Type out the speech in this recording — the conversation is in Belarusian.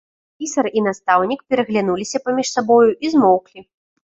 Пісар і настаўнік пераглянуліся паміж сабою і змоўклі.